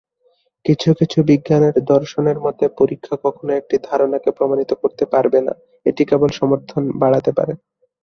কিছু কিছু বিজ্ঞানের দর্শনের মতে, পরীক্ষা কখনো একটি ধারণাকে প্রমাণিত করতে পারবে না, এটি কেবল সমর্থন বাড়াতে পারে।